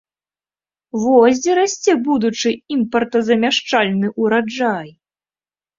Вось дзе расце будучы імпартазамяшчальны ўраджай!